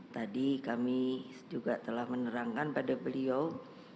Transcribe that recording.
tadi kami juga telah menerangkan pada beliau